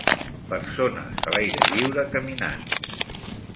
Persones a l'aire lliure caminant.